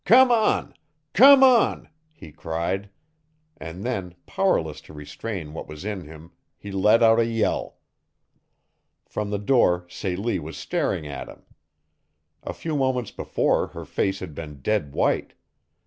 Come on, come on," he cried. And then, powerless to restrain what was in him, he let out a yell. From the door Celie was staring at him. A few moments before her face had been dead white.